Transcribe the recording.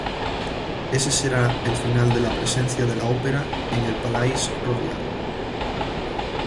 Ese será el final de la presencia de la Ópera en el Palais-Royal.